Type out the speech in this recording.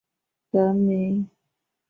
因境内岳阳县最高峰相思山而得名。